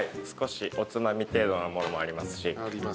少しおつまみ程度のものもありますし。